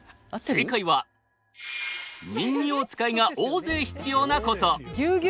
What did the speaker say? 正解は人形遣いが大勢必要なこと。